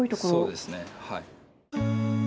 そうですねはい。